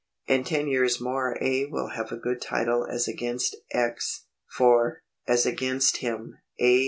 In ten years more A. will have a good title as against X., for, as against him, A.